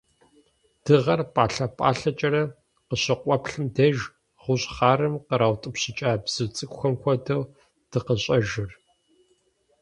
Дыгъэр пӀалъэ-пӀалъэкӀэрэ къыщыкъуэплъым деж, гъущӀ хъарым къраутӀыпщыкӀа бзу цӀыкӀухэм хуэдэу дыкъыщӀэжыр.